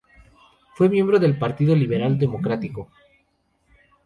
Fue miembro del Partido Liberal Democrático.